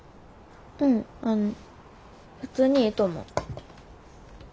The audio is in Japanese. うんあの普通にええと思う。